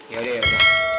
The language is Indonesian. yaudah ya mbak